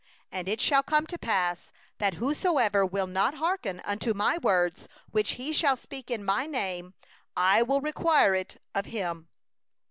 19And it shall come to pass, that whosoever will not hearken unto My words which he shall speak in My name, I will require it of him.